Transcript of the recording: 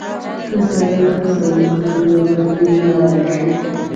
که سړی هڅه وکړي، نو بدلون به راشي.